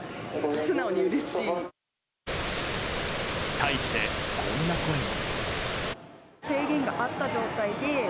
対して、こんな声も。